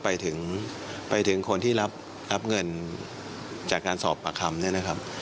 ไปถึงไปถึงคนที่รับเงินจากการสอบปากคำเนี่ยนะครับ